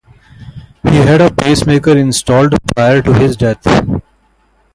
He had a pacemaker installed prior to his death.